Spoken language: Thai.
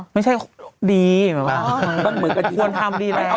ไม่ใช่คนดีควรทำดีแล้ว